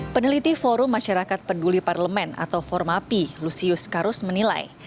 peneliti forum masyarakat peduli parlemen atau formapi lusius karus menilai